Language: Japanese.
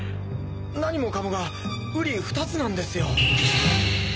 何もかもがうり二つなんですよ。